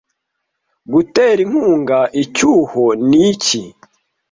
Gutera inkunga icyuho ni iki